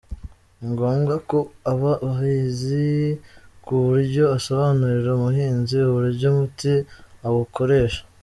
Ni ngombwa ko aba abizi ku buryo asobanurira umuhinzi uburyo umuti awukoresha”.